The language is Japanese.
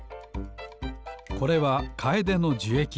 これはカエデのじゅえき。